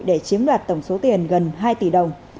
để chiếm đoạt tổng số tiền gần hai tỷ đồng